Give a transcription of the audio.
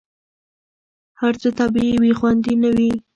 هر څه طبیعي وي، خوندي نه وي.